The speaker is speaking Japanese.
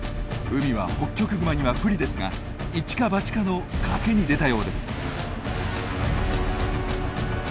海はホッキョクグマには不利ですが一か八かの賭けに出たようです。